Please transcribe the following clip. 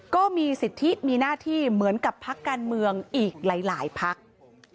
ก็มีสิทธิมีหน้าที่เหมือนกับพักการเมืองอีกหลายพัก